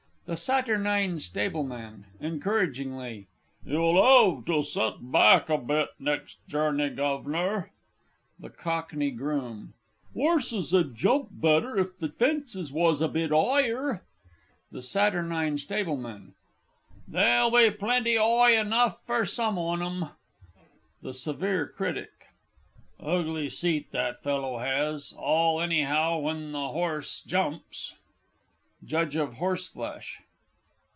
_ THE SATURNINE STABLEMAN (encouragingly). You'll 'ev to set back a bit next journey, Guv'nor! THE COCKNEY GROOM. 'Orses 'ud jump better if the fences was a bit 'igher. THE S. S. They'll be plenty 'oigh enough fur some on 'em. THE SEVERE CRITIC. Ugly seat that fellow has all anyhow when the horse jumps. JUDGE OF HORSEFLESH.